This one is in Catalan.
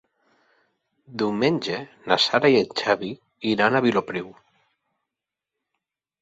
Diumenge na Sara i en Xavi iran a Vilopriu.